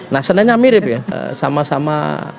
nah seninya mirip ya sama sama